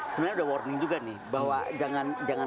sebenarnya ada warning juga nih bahwa jangan